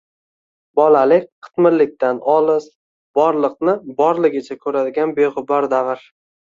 Bolalik qitmirlikdan olis, borliqni borligicha ko‘radigan beg‘ubor davr